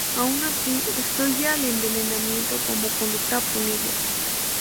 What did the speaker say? Aun así, excluye al envenenamiento como conducta punible.